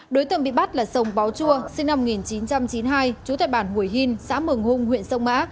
đối tượng bị bắt là sông báo chua sinh năm một nghìn chín trăm chín mươi hai chú thạch bản hủy hìn xã mừng hung huyện sông mã